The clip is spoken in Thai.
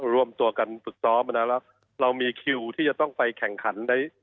รวมตัวกันฝึกซ้อมมานะแล้วเรามีคิวที่จะต้องไปแข่งขันใน